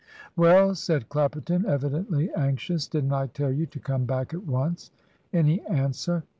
"Well," said Clapperton, evidently anxious, "didn't I tell you to come back at once! Any answer?"